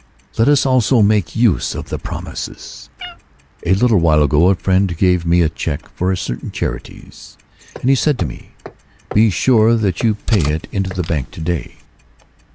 Let us also make use of the promises, A little ivhile ago, a friend gave me a check for certain charities, and he said to me, " Be sure that you pay it into the bank to day."